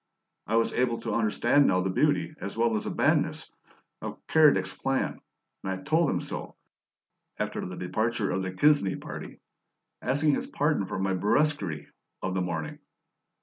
I was able to understand now the beauty as well as the madness of Keredec's plan; and I had told him so (after the departure of the Quesnay party), asking his pardon for my brusquerie of the morning.